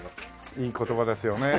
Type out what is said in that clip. いい言葉ですよね。